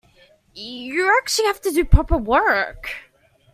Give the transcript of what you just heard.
You actually have to do proper work.